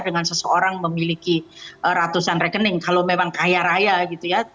dengan seseorang memiliki ratusan rekening kalau memang kaya raya gitu ya